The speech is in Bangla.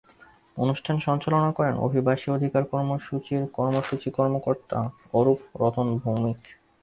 অনুষ্ঠান সঞ্চালনা করেন অভিবাসী অধিকার কর্মসূচির কর্মসূচি কর্মকর্তা অরূপ রতন ভৌমিক।